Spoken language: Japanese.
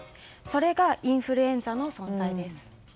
それがインフルエンザの存在です。